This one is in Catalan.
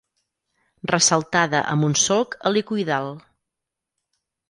Ressaltada amb un solc helicoïdal.